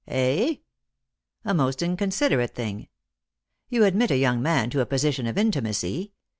"Eh?" " A most inconsiderate thing. You admit a young man to a position of intimacy.